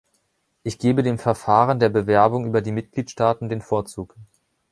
Ich gebe dem Verfahren der Bewerbung über die Mitgliedstaaten den Vorzug.